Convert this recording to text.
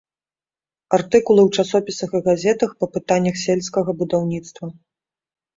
Артыкулы ў часопісах і газетах па пытаннях сельскага будаўніцтва.